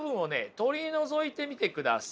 取り除いてみてください。